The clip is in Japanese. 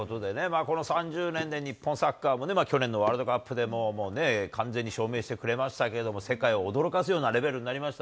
この３０年で日本サッカーも、去年のワールドカップでも、完全に証明してくれましたけれども、世界を驚かせるようなレベルになりました。